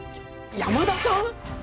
山田さん！？